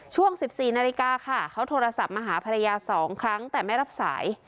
ช่วง๑๔นาฬิกาค่ะเขาโทรศัพท์มาหาภรรยา๒ครั้งแต่ไม่รับสาย